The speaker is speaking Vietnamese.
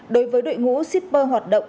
đối với đội ngũ shipper hoạt động